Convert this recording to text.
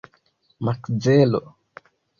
Makzelo